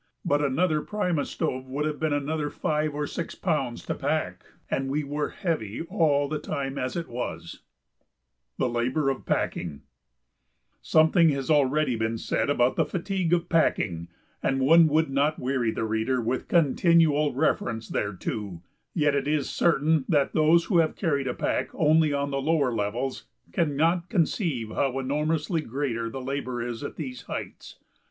But another primus stove would have been another five or six pounds to pack, and we were "heavy" all the time as it was. [Illustration: Traverse under the cliffs of the Northeast Ridge to enter the Grand Basin.] [Sidenote: The Labor of Packing] Something has already been said about the fatigue of packing, and one would not weary the reader with continual reference thereto; yet it is certain that those who have carried a pack only on the lower levels cannot conceive how enormously greater the labor is at these heights.